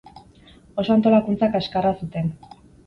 Oso antolakuntza kaxkarra zuten.